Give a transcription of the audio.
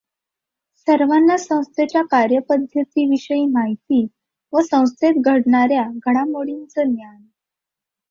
सर्वांना संस्थेच्या कार्यपध्दतीविषयी माहिती व संस्थेत घडणाच्या घडामोडींचं ज्ञान.